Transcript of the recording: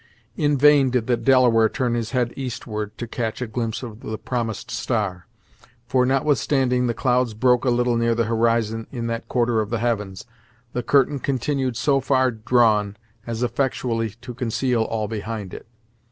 In vain did the Delaware turn his head eastward, to catch a glimpse of the promised star; for, notwithstanding the clouds broke a little near the horizon in that quarter of the heavens, the curtain continued so far drawn as effectually to conceal all behind it.